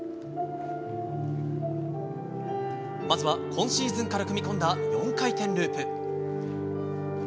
まずは今シーズンから組み込んだ４回転ループ。